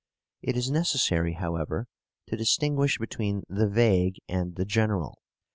It is necessary, however, to distinguish between the vague and the general.